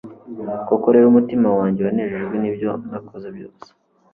koko rero, umutima wanjye wanejejwe n'ibyo nakoze byose